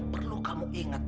perlu kamu ingat